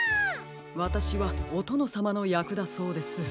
わたしはおとのさまのやくだそうです。